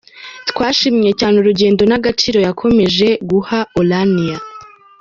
Twashimye cyane urugendo n’agaciro yakomeje guha Orania.